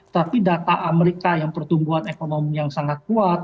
tapi data amerika yang pertumbuhan ekonomi yang sangat kuat